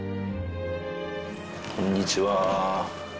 こんにちは。